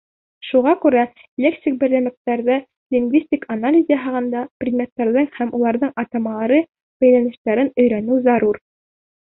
Шуға күрә, лексик берәмектәргә лингвистик анализ яһағанда, предметтарҙың һәм уларҙың атамалары бәйләнештәрен өйрәнеү зарур.